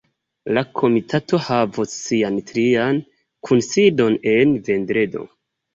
La komitato havos sian trian kunsidon en vendredo.